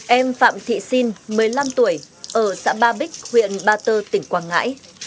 em phạm thị sinh một mươi năm tuổi ở xã ba bích huyện ba tơ tỉnh quảng ngãi